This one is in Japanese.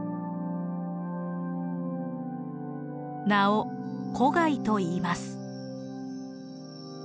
名を胡亥といいます。